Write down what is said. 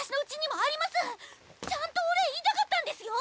ちゃんとお礼言いたかったんですよ？